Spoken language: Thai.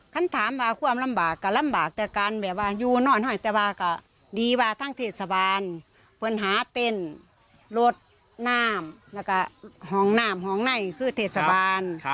ฉันถามว่าความลำบากก็ลำบากแต่การแบบว่าอยู่นอนหอยแต่ว่าก็ดีว่าทั้งเทศบาลเพื่อนหาเต้นรถน้ำแล้วก็ห้องน้ำห้องไหนคือเทศบาล